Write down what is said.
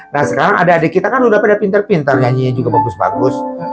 nah sekarang adik adik kita kan udah pada pinter pinter nyanyinya juga bagus bagus